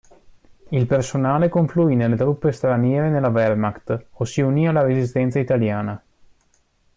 Il personale confluì nelle truppe straniere nella Wehrmacht o si unì alla resistenza italiana..